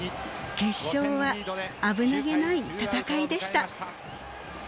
決勝は危なげない戦いでした。